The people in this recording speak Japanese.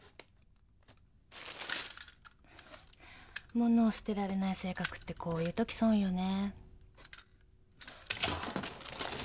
物を捨てられない性格ってこういうとき損よね。